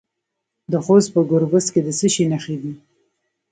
د خوست په ګربز کې د څه شي نښې دي؟